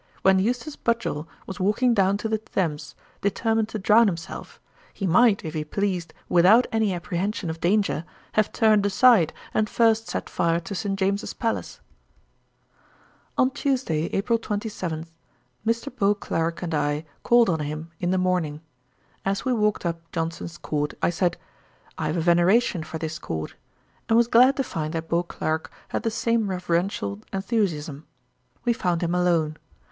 When Eustace Budgel was walking down to the Thames, determined to drown himself, he might, if he pleased, without any apprehension of danger, have turned aside, and first set fire to St. James's palace.' On Tuesday, April 27, Mr. Beauclerk and I called on him in the morning. As we walked up Johnson's court, I said, 'I have a veneration for this court;' and was glad to find that Beauclerk had the same reverential enthusiasm. We found him alone.